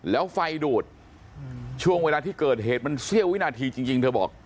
แล้วไฟดูดช่วงเวลาที่เกิดเหตุมันเสี้ยววินาทีจริงเธอบอก